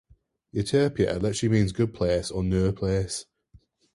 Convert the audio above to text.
"Utopia" literally means "good place" or "no place".